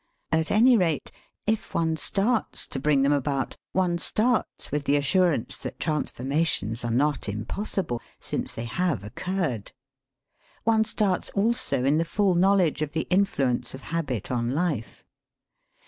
At any rate, if one starts to bring them about, one starts with the assurance that transformations are not impossible, since they have occurred. One starts also in the full knowledge of the influence of habit on life.